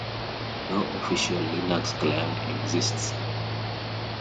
No official Linux client exists.